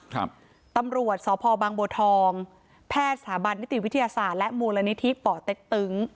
ครับตำรวจสพบางบัวทองแพทย์สถาบันนิติวิทยาศาสตร์และมูลนิธิป่อเต็กตึง